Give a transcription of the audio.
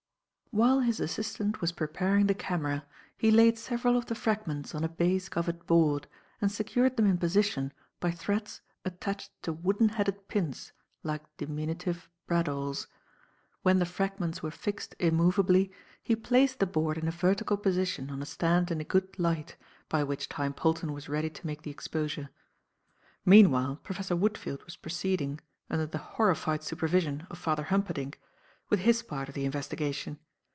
While his assistant was preparing the camera, he laid several of the fragments on a baize covered board and secured them in position by threads attached to wooden headed pins like diminutive bradawls. When the fragments were fixed immovably, he placed the board in a vertical position on a stand in a good light, by which time Polton was ready to make the exposure. Meanwhile, Professor Woodfield was proceeding under the horrified supervision of Father Humperdinck with his part of the investigation.